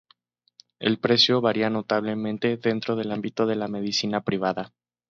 El precio varía notablemente, dentro del ámbito de la medicina privada.